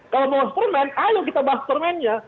kalau bawas permen ayo kita bahas permennya